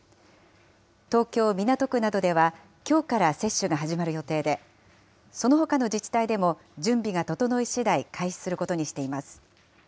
東京・港区などでは、きょうから接種が始まる予定で、そのほかの自治体でも準備が整いしだい、開始することにしています。